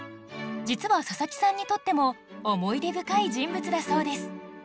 実は佐佐木さんにとっても思い出深い人物だそうです